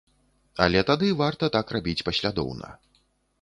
Але тады варта так рабіць паслядоўна.